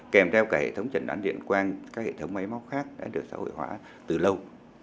kèm theo cả hệ thống trận đoán liện quan các hệ thống máy móc khác đã được xã hội hóa từ lâu